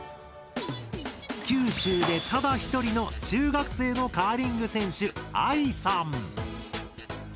九州でただ１人の中学生のカーリング選手あいさん！